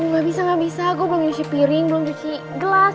ga bisa ga bisa gua belum cuci piring belum cuci gelas